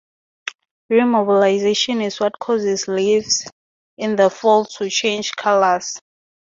Remobilization is what causes leaves in the fall to change colors.